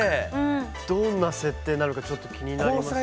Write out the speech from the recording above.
どんな設定なのかちょっと気になりますね。